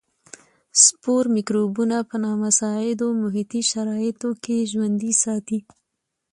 سپور مکروبونه په نامساعدو محیطي شرایطو کې ژوندي ساتي.